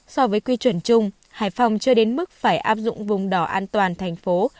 so với quy chuẩn chung hải phòng chưa đến mức phải áp dụng vùng đỏ an toàn thành phố